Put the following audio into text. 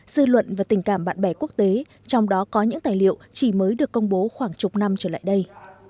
dư luận và tình cảm bạn bè quốc tế trong đó có những tài liệu chỉ mới được công bố khoảng chục năm trở lại đây